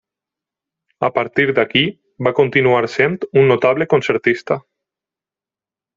A partir d'aquí va continuar sent un notable concertista.